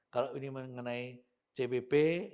kalau ini mengenai cbp